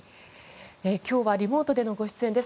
今日はリモートでのご出演です。